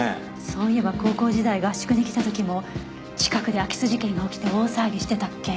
そういえば高校時代合宿に来た時も近くで空き巣事件が起きて大騒ぎしてたっけ。